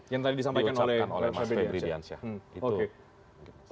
yang tadi disampaikan oleh mas febri diansyah